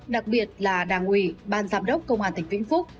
đặc biệt là đảng ủy ban giám đốc công an tỉnh vĩnh phúc